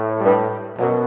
nih bolok ke dalam